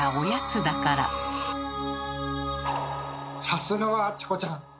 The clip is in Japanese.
さすがはチコちゃん！